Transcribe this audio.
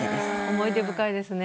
思い出深いですね